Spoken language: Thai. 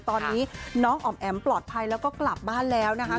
ตอนนี้น้องอ๋อมแอ๋มปลอดภัยแล้วก็กลับบ้านแล้วนะคะ